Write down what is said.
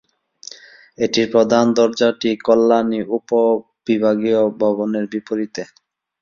এটির প্রধান দরজাটি কল্যাণী উপ-বিভাগীয় ভবনের বিপরীতে।